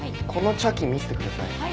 この茶器見せてください。